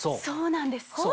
そうなんです。